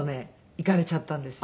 いかれちゃったんですよ。